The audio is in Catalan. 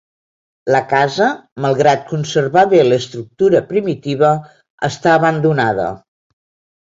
La casa, malgrat conservar bé l'estructura primitiva, està abandonada.